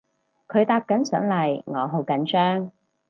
佢搭緊上嚟我好緊張